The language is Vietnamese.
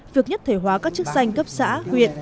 việc nhất thể hóa các chức danh cấp xã huyện